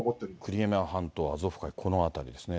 クリミア半島、アゾフ海、この辺りですね。